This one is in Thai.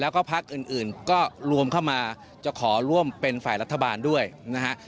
แล้วก็พักอื่นก็รวมเข้ามาจะขอร่วมเป็นฝ่ายรัฐบาลด้วยนะฮะ